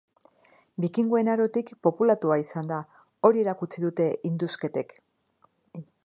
Bikingoen Arotik populatua izan da, hori erakutsi dute indusketek.